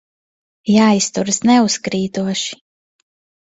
Jāizturas neuzkrītoši.